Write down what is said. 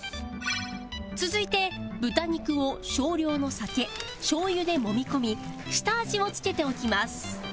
続いて豚肉を少量の酒しょう油で揉み込み下味を付けておきます